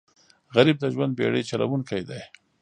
غریب د ژوند بېړۍ چلوونکی دی